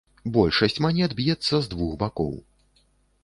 Большасць манет б'ецца з двух бакоў.